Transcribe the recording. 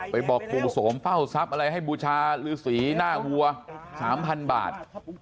บอกปู่โสมเฝ้าทรัพย์อะไรให้บูชาหรือสีหน้าวัว๓๐๐บาท